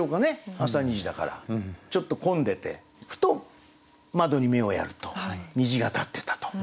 ちょっと混んでてふと窓に目をやると虹が立ってたと。